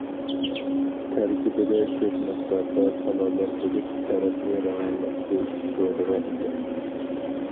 تەركىبىدە كۆپ مىقداردا تالالار بولۇپ، تەرەتنى راۋانلاشتۇرۇش رولىغا ئىگە.